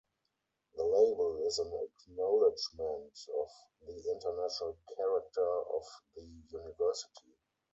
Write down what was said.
The label is an acknowledgment of the international character of the University.